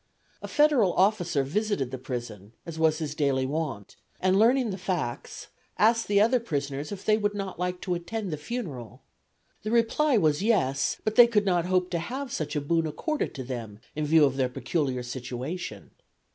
A Federal officer visited the prison, as was his daily wont, and, learning the facts, asked the other prisoners if they would not like to attend the funeral. The reply was yes, but they could not hope to have such a boon accorded to them in view of their peculiar situation.